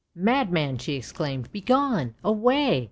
" Madman! " she exclaimed; " begone! away!